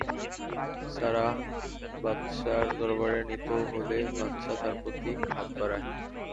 Sarah বাদশাহর দরবারে নীত হলে, বাদশাহ তাঁর প্রতি হাত বাড়ায়।